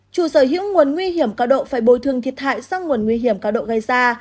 chủ sở hữu nguồn nguy hiểm cao độ phải bồi thương thiệt hại sang nguồn nguy hiểm cao độ gây ra